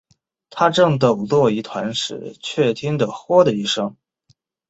他正抖作一团时，却听得豁的一声